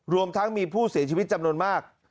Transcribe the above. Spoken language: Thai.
รวมทั้งมีผู้เสียชีวิตจำนวนมาก